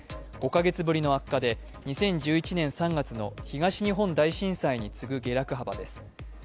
５カ月ぶりの悪化で２０１１年３月の東日本大震災に次ぐ下落幅です。